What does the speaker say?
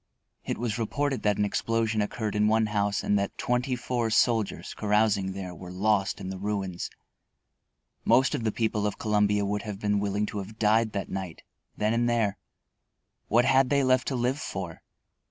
It was reported that an explosion occurred in one house and that twenty four soldiers, carousing there, were lost in the ruins. Most of the people of Columbia would have been willing to have died that night, then and there. What had they left to live for?